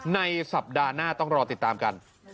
ในสัปดาห์หน้าต้องรอติดตามกัน